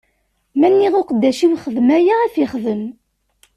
Ma nniɣ i uqeddac-iw: Xdem aya, ad t-ixdem.